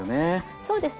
そうですね。